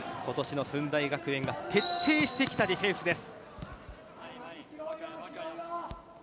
駿台学園は徹底してきたディフェンスです。